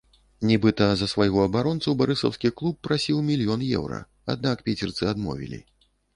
Нібыта за свайго абаронцу барысаўскі клуб прасіў мільён еўра, аднак піцерцы адмовілі.